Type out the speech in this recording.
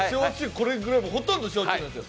これぐらい、ほとんど焼酎なんですよ。